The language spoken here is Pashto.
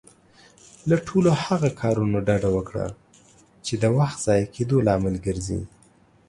له ټولو هغه کارونه ډډه وکړه، چې د وخت ضايع کيدو لامل ګرځي.